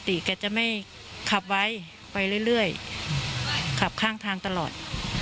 แกจะไม่ขับไว้ไปเรื่อยขับข้างทางตลอด